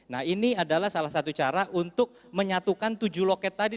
nah ini adalah salah satu cara untuk menyatukan tujuh loket tadi